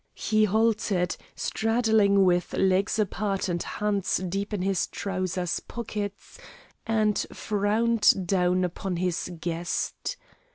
He halted, straddling with legs apart and hands deep in his trousers pockets, and frowned down upon his guest.